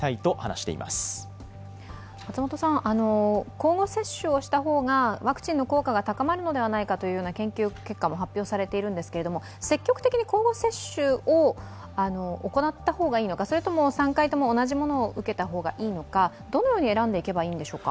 交互接種をした方がワクチンの効果が高まるのではないかという研究結果も発表されているんですけれども積極的に交互接種を行った方がいいのか、それとも３回目とも同じものを受けた方がいいのか、どのように選んでいけばいいんでしょうか？